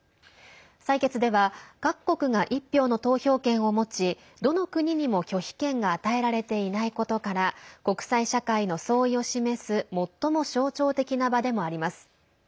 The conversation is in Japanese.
採決では、各国が１票の投票権を持ちどの国にも拒否権が与えられていないことから国際社会の総意を示す最も象徴的な場でもあります。